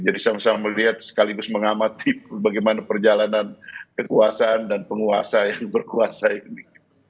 jadi sama sama melihat sekaligus mengamati bagaimana perjalanan kekuasaan dan penguasa yang berkuasa ini